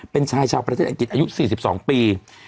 เป็นชายชาวประเทศอังกฤษอายุ๔๒ปี